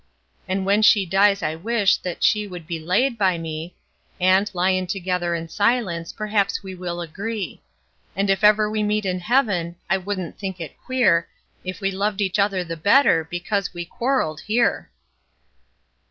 And when she dies I wish that she would be laid by me, And, lyin' together in silence, perhaps we will agree; And, if ever we meet in heaven, I wouldn't think it queer If we loved each other the better because we quarreled here.